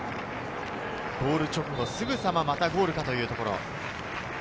ゴール直後、すぐまたゴールかというところ。